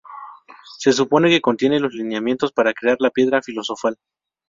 Se supone que contiene los lineamientos para crear la Piedra filosofal.